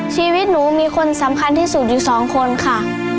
ชีวิตหนูมีคนสำคัญที่สุดอยู่สองคนค่ะ